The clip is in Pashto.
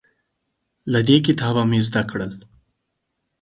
له دې کتابه مې زده کړل